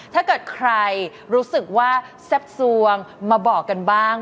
ถ้าเกิดใครรู้สึกว่าแซ่บสวงมาบอกกันบ้าง